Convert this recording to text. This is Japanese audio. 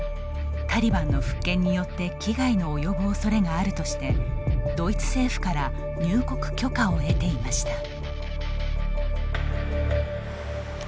タリバンの復権によって危害の及ぶ恐れがあるとしてドイツ政府から入国許可を得ていました。